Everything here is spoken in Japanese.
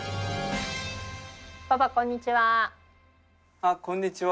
あこんにちは。